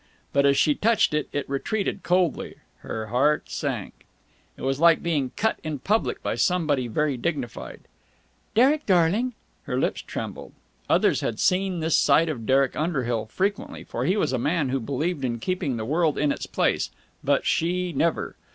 But, as she touched it, it retreated coldly. Her heart sank. It was like being cut in public by somebody very dignified. "Derek, darling!" Her lips trembled. Others had seen this side of Derek Underhill frequently, for he was a man who believed in keeping the world in its place, but she never.